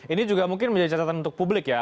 ini juga mungkin menjadi catatan untuk publik ya